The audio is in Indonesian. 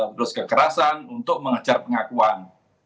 terus kekerasan untuk mengejar pengakuan